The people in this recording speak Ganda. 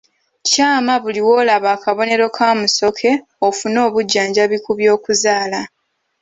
Kyama buli w'olaba akabonero ka musoke ofune obujjanjabi ku by'okuzaala.